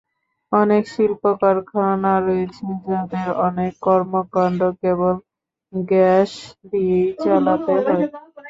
অনেক শিল্পকারখানা রয়েছে, যাদের অনেক কর্মকাণ্ড কেবল গ্যাস দিয়েই চালাতে হয়।